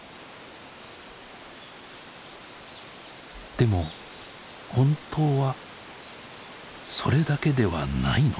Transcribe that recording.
でも本当はそれだけではないのかも。